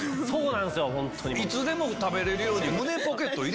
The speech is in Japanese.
いつでも食べれるように。